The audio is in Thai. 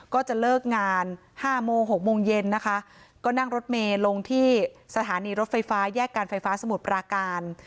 ก็จะเลิกงานห้าโมงหกโมงเย็นนะคะก็นั่งรถเมย์ลงที่สถานีรถไฟฟ้าแยกการไฟฟ้าสมุทรปราการ